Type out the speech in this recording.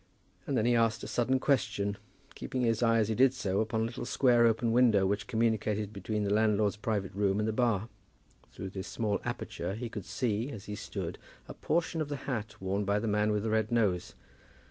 And then he asked a sudden question, keeping his eye as he did so upon a little square open window, which communicated between the landlord's private room and the bar. Through this small aperture he could see as he stood a portion of the hat worn by the man with the red nose.